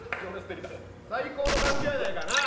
最高の環境やなか、なあ。